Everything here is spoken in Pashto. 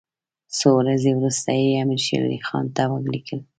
څو ورځې وروسته یې امیر شېر علي خان ته ولیکل.